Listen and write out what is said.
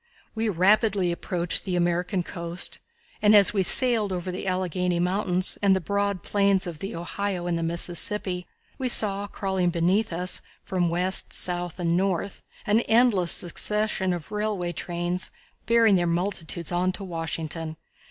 We rapidly approached the American coast, and as we sailed over the Alleghany Mountains and the broad plains of the Ohio and the Mississippi, we saw crawling beneath us from west, south and north, an endless succession of railway trains bearing their multitudes on to Washington.